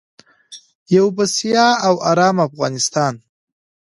یو بسیا او ارام افغانستان.